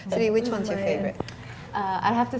jadi yang mana favorit kalian